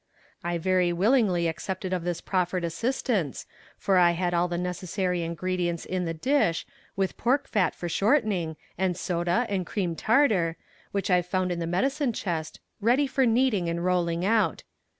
I very willingly accepted of this proffered assistance, for I had all the necessary ingredients in the dish, with pork fat for shortening, and soda and cream tartar, which I found in the medicine chest, ready for kneading and rolling out.